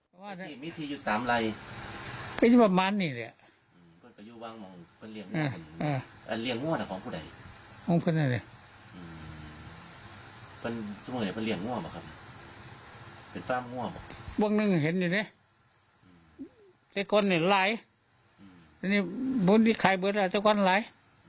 พวกนี้เห็นอยู่นี่ตัวนี้ไหลพวกนี้ขายบนตัวนี้ไหล